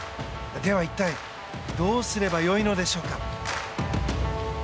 では一体どうすればいいのでしょうか。